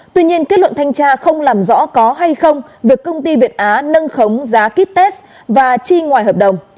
tuy nhiên kết luận thanh tra không làm rõ có hay không việc công ty việt á nâng khống giá kýt test và chi ngoài hợp đồng